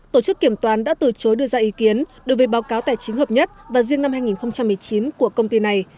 tổ chức kiểm toán đã từ chối đưa ra ý kiến đối với báo cáo tài chính hợp nhất và riêng năm hai nghìn một mươi chín của công ty này